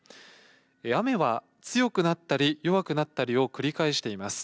雨は強くなったり弱くなったりを繰り返しています。